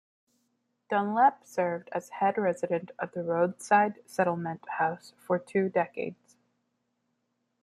Dunlap served as head resident of the Roadside Settlement House for two decades.